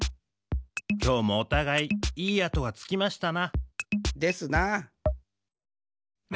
きょうもおたがいいい跡がつきましたな。ですな。